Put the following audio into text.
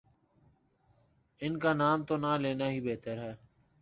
ان کا نام تو نہ لینا ہی بہتر ہے۔